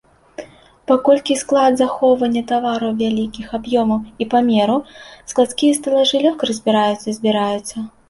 Паколькі склад захоўвання тавараў вялікіх аб'ёмаў і памераў, складскія стэлажы лёгка разбіраюцца і збіраюцца.